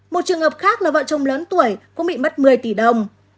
một trường hợp khác là vợ chồng lớn tuổi cũng bị mất một mươi tỷ đồng